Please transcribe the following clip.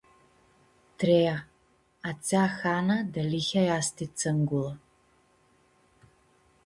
Trea: atsea Hana delihea easti tsãngulã.